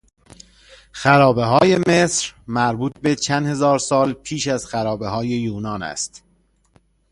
خرابههای مصر مربوط به چند هزار سال پیش از خرابههای یونان است.